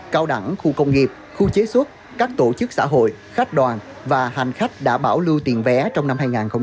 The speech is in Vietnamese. cao đẳng khu công nghiệp khu chế xuất các tổ chức xã hội khách đoàn và hành khách đã bảo lưu tiền vé trong năm hai nghìn hai mươi bốn